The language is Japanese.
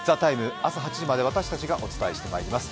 朝８時まで私たちがお伝えしてまいります。